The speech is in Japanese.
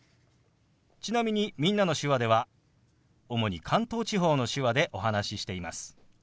ちなみに「みんなの手話」では主に関東地方の手話でお話ししています。